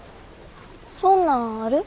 そんなんある？